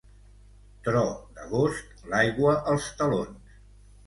Tro d'agost, l'aigua als talons.